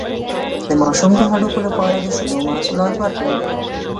د ماشوم د هډوکو لپاره د شیدو محصولات ورکړئ